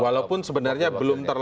walaupun sebenarnya belum tentu firm